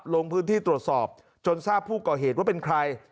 ลงพื้นที่ตรวจสอบจนทราบผู้ก่อเหตุว่าเป็นใคร